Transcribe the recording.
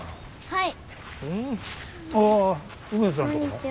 はい。